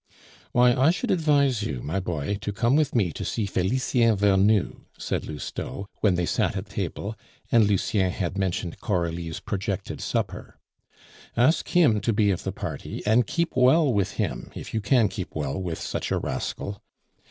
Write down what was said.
"Why, I should advise you, my boy, to come with me to see Felicien Vernou," said Lousteau, when they sat at table, and Lucien had mentioned Coralie's projected supper; "ask him to be of the party, and keep well with him, if you can keep well with such a rascal.